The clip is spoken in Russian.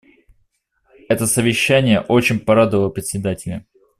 Это Совещание очень порадовало Председателя.